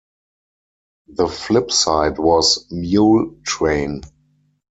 The flip side was "Mule Train".